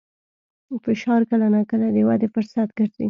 فشار کله ناکله د ودې فرصت ګرځي.